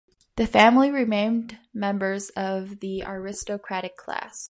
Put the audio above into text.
The family remained members of the aristocratic class.